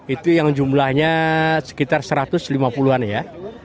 itu yang jumlahnya sekitar satu ratus lima puluh an ya